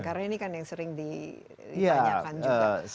karena ini kan yang sering dibanyakan juga